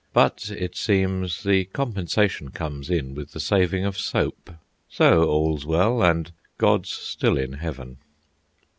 But, it seems, the compensation comes in with the saving of soap, so all's well, and God's still in heaven.